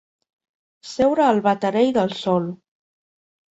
Seure al baterell del sol.